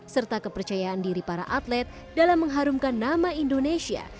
serta kepercayaan diri para atlet dalam mengharumkan nama indonesia